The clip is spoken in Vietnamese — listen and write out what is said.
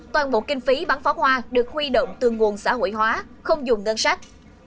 toàn bộ kinh phí bắn pháo hoa được huy động từ nguồn xã hội hóa không dùng ngân sách